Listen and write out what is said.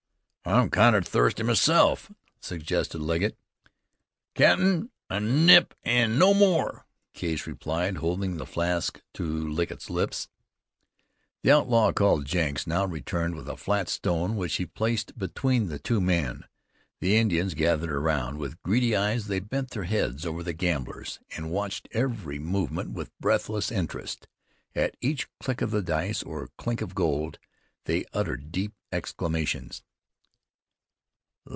"I'm kinder thirsty myself," suggested Legget. "Cap'n, a nip an' no more," Case replied, holding the flask to Legget's lips. The outlaw called Jenks now returned with a flat stone which he placed between the two men. The Indians gathered around. With greedy eyes they bent their heads over the gamblers, and watched every movement with breathless interest. At each click of the dice, or clink of gold, they uttered deep exclamations.